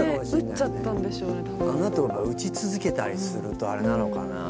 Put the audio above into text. あの後打ち続けたりするとあれなのかな。